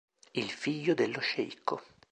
Il figlio dello sceicco